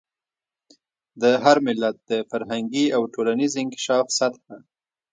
د هر ملت د فرهنګي او ټولنیز انکشاف سطح.